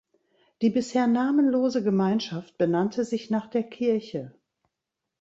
Die bisher namenlose Gemeinschaft benannte sich nach der Kirche.